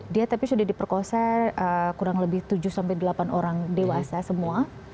dia tapi sudah diperkosa kurang lebih tujuh sampai delapan orang dewasa semua